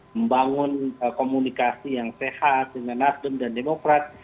membangun komunikasi yang sehat dengan nasdem dan demokrat